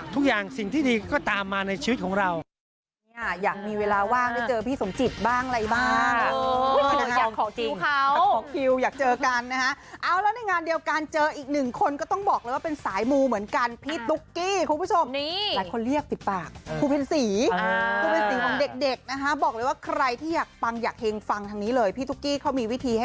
ทุกอย่างสิ่งที่ดีก็ตามมาในชีวิตของเรา